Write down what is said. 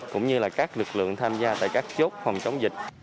cũng như là các lực lượng tham gia tại các chốt phòng chống dịch